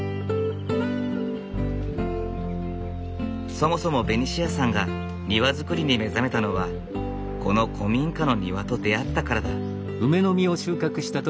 そもそもベニシアさんが庭造りに目覚めたのはこの古民家の庭と出会ったからだ。